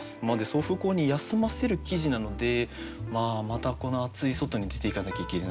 「送風口に休ませる生地」なのでまたこの暑い外に出ていかなきゃいけないという。